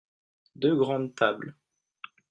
deux grandes tables.